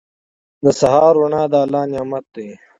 • د سهار روڼا د الله نعمت دی.